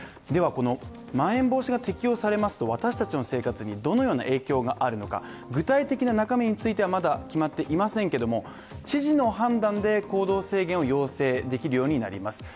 ではこのまん延防止が適用されますと私たちの生活にどのような影響があるのか具体的な中身についてはまだ決まっていませんけども、知事の判断で行動制限を要請できるようになります。